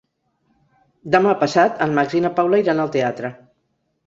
Demà passat en Max i na Paula iran al teatre.